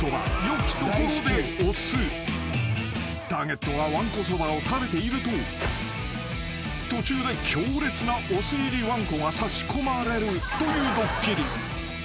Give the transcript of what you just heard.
［ターゲットがわんこそばを食べていると途中で強烈なお酢入りわんこが差し込まれるというドッキリ］